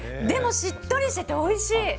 でも、しっとりしてておいしい。